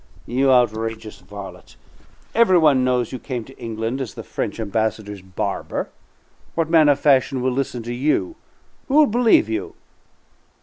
"You outrageous varlet! Every one knows you came to England as the French Ambassador's barber. What man of fashion will listen to you? Who will believe you?"